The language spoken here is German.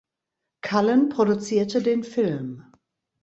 Cullen produzierte den Film.